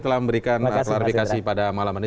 telah memberikan klarifikasi pada malam ini